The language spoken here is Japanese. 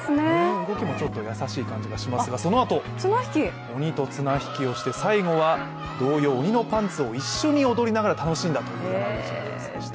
動きもちょっと優しい感じがしますが、そのあと、鬼と綱引きをして最後は童謡「おにのパンツ」を一緒に歌って楽しんだという映像でした。